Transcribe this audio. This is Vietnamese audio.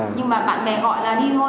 nhưng mà bạn bè gọi là đi thôi